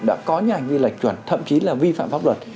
đã có nhà hành vi lạch chuẩn thậm chí là vi phạm pháp luật